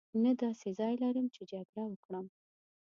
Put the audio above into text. نه داسې ځای لرم چې جګړه وکړم.